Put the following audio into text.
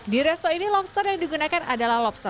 di resto ini lobster yang digunakan adalah lobster laut